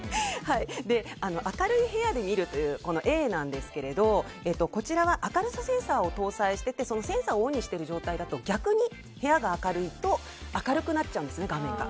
明るい部屋で見るというＡなんですが、こちらは明るさセンサーを搭載していて、そのセンサーをオンにしている状態だと逆に部屋が明るいと画面が明るくなっちゃうんですね。